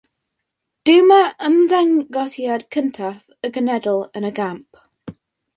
Dyma ymddangosiad cyntaf y genedl yn y gamp.